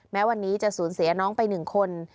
แม้วันนี้จะสูญเสียน้องไป๑คน